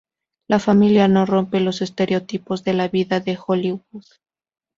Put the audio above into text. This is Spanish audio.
La familia no rompe los estereotipos de la vida de Hollywood.